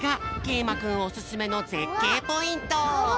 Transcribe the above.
いまくんおすすめのぜっけいポイント。